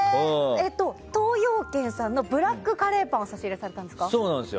東洋軒さんのブラックカレーパンを差し入れされたんですか。